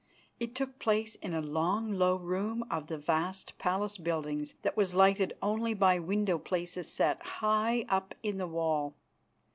It took place in a long, low room of the vast palace buildings that was lighted only by window places set high up in the wall.